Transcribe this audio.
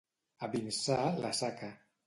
A Vinçà, la saca.